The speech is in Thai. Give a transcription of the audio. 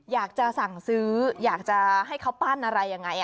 อยากจะสั่งซื้ออยากจะให้เขาปั้นอะไรยังไง